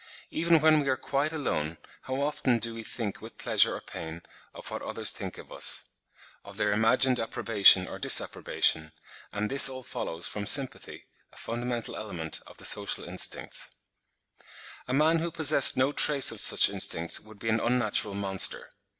Even when we are quite alone, how often do we think with pleasure or pain of what others think of us,—of their imagined approbation or disapprobation; and this all follows from sympathy, a fundamental element of the social instincts. A man who possessed no trace of such instincts would be an unnatural monster.